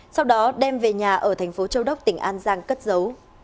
sau đó đem về nhà ở thành phố châu đốc tỉnh an giang cất giấu